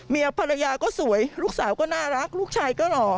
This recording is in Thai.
ภรรยาก็สวยลูกสาวก็น่ารักลูกชายก็หล่อ